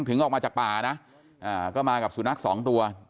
ถึงออกมาจากป่านะก็มากับสุนัขสองตัว